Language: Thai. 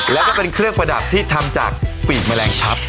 แล้วก็เป็นเครื่องประดับที่ทำจากปีกแมลงทัพ